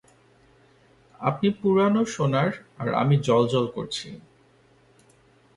আপনি পুরানো সোনার, আর আমি জ্বলজ্বল করছি।